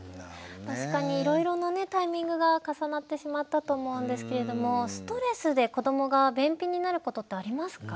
確かにいろいろなタイミングが重なってしまったと思うんですけれどもストレスで子どもが便秘になることってありますか？